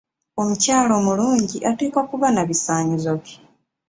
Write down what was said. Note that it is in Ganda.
Omukyala omulungi ateekwa kuba na bisaanyizo ki?